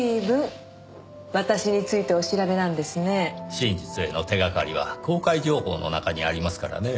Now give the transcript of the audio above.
真実への手がかりは公開情報の中にありますからねぇ。